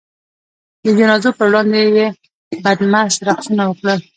د جنازو په وړاندې یې بدمست رقصونه وکړل.